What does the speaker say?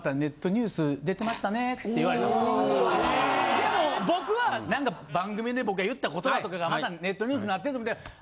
でも僕は何か番組で僕が言った言葉とかがまたネットニュースになってると思って。